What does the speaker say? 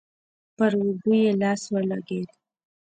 پر اوږه يې لاس ولګېد.